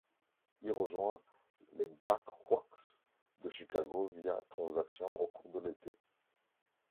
Il rejoint les Blackhawks de Chicago via transaction au cours de l'été.